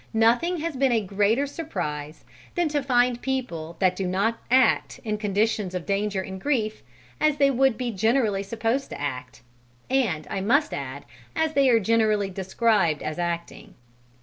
Nothing has been a greater surprise than to find people that do not act in conditions of danger and grief as they would be generally supposed to act and, I must add, as they are generally described as acting.